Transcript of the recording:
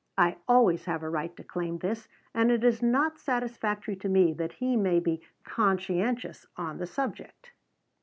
I always have a right to claim this, and it is not satisfactory to me that he may be "conscientious" on the subject.